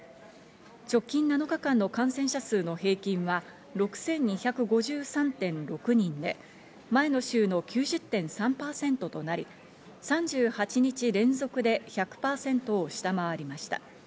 直近７日間の感染者数の平均は６２５３．６人で、前の週の９０．３％となり、３８日連続で１００％を下回りました。